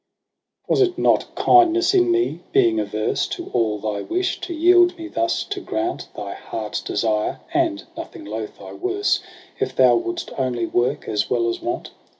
8 ' Was it not kindness in me, being averse To all thy wish, to yield me thus to grant Thy heart's desire, — and nothing loathe I worse, — If thou wouldst only work as well as want